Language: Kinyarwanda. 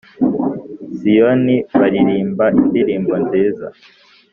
Siyoni baririmba indirimbo nziza